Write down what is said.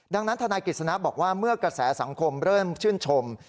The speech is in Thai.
ดังนั้นทนายกฤษณะบอกว่าเมื่อกระแสสังคมเริ่มชื่นชม